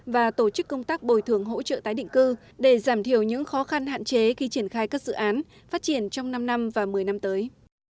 và tổ chức công tác bồi thường hỗ trợ tái định cư để giảm thiểu những khó khăn hạn chế khi triển khai các dự án phát triển trong năm năm và một mươi năm tới